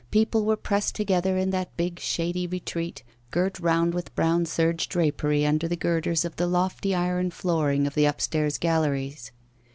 People were pressed together in that big, shady retreat, girt round with brown serge drapery under the girders of the lofty iron flooring of the upstairs galleries.